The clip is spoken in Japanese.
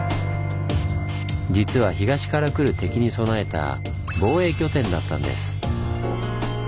実は東から来る敵に備えた防衛拠点だったんです。